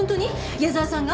矢沢さんが？